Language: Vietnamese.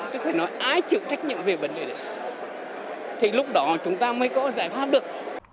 chứ phải nói ai chịu trách nhiệm về vấn đề đấy thì lúc đó chúng ta mới có giải pháp được